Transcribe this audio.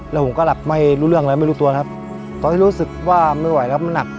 แล้วผมก็หลับไม่รู้เรื่องอะไรไม่รู้ตัวครับตอนนี้รู้สึกว่าไม่ไหวแล้วมันหนัก